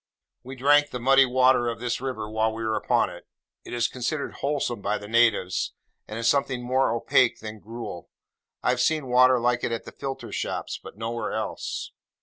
We drank the muddy water of this river while we were upon it. It is considered wholesome by the natives, and is something more opaque than gruel. I have seen water like it at the Filter shops, but nowhere else.